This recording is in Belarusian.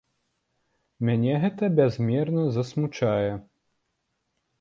Мяне гэта бязмерна засмучае.